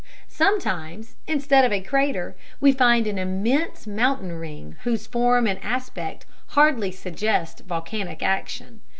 Sometimes, instead of a crater, we find an immense mountain ring whose form and aspect hardly suggest volcanic action.